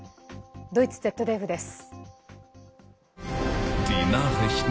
ドイツＺＤＦです。